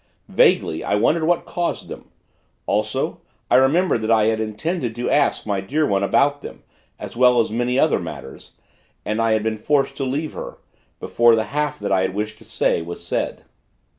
Vaguely, I wondered what caused them; also, I remembered that I had intended to ask my dear One about them, as well as many other matters and I had been forced to leave her, before the half that I had wished to say, was said.